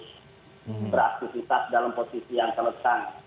beraktivitas dalam posisi yang telentang